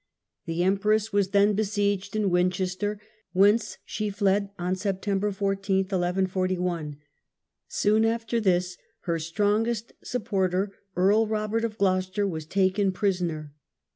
The em press was then besieged in Winchester, whence she fled on September 14, 1141. Soon after this her strongest supporter. Earl Robert of Gloucester, was taken prisoner.